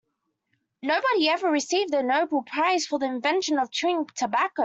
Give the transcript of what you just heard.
Nobody ever received the Nobel prize for the invention of chewing tobacco.